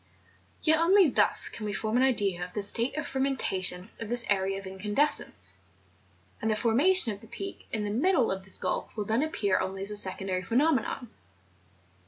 Yet only thus can we form an idea of the state of fermentation of this era of incandescence; and the formation of the Peak in the middle of this gulf will then appear only a secondary pheno¬ menon.